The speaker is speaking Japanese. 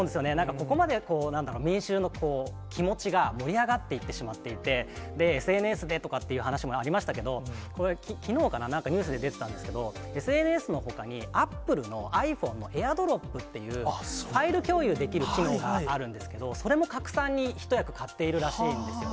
ここまで、なんだろう、民衆の気持ちが盛り上がっていってしまっていて、ＳＮＳでとかっていう話もありましたけれども、きのうかな、なんかニュースで出てたんですけど、ＳＮＳのほかに、アップルのｉＰｈｏｎｅのエアドロップっていう、ファイル共有できる機能があるんですけれども、それも拡散に一役買っているらしいんですよ。